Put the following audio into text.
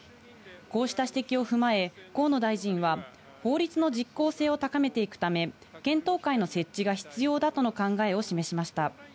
こうした指摘を踏まえ、河野大臣は法律の実効性を高めていくため、検討会の設置が必要だとの考えを示しました。